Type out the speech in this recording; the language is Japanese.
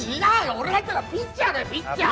俺が言ってるのはピッチャーだよピッチャー！